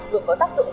vừa có tác dụng